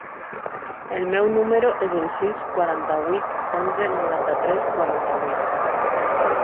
El meu número es el sis, quaranta-vuit, onze, noranta-tres, quaranta-vuit.